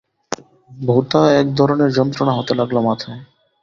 ভোঁতা এক ধরনের যন্ত্রণা হতে লাগল মাথায়।